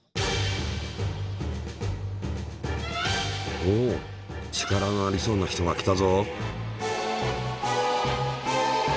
おおっ力がありそうな人が来たぞ。